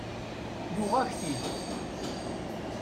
Yuɣ-ak-t-id.